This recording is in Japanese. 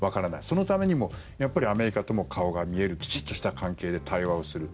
そのためにもやっぱりアメリカとも顔が見えるきちっとした関係で対話をする。